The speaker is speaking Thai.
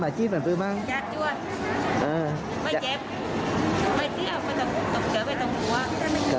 ไม่เจียบเพราะโตคร้องเจือคุณผมจะไปทรงกลัว